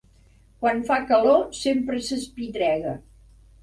Quan fa calor, sempre s'espitrega.